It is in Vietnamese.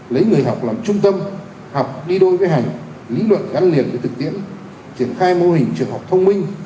lấy người học làm trung tâm học đi đôi với hành lý luận gắn liền với thực tiễn triển khai mô hình trường học thông minh